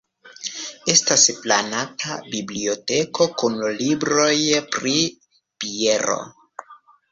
Estas planata biblioteko kun libroj pri biero.